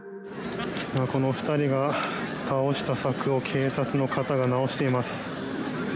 この２人が倒した柵を警察の方が直しています。